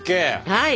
はい。